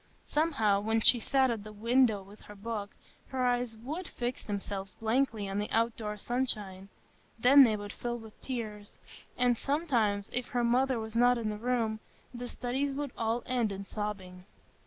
Somehow, when she sat at the window with her book, her eyes would fix themselves blankly on the outdoor sunshine; then they would fill with tears, and sometimes, if her mother was not in the room, the studies would all end in sobbing.